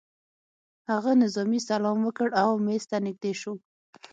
هغه نظامي سلام وکړ او مېز ته نږدې شو